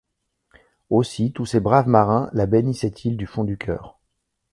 Aussi tous ces braves marins la bénissaient-ils du fond du cœur.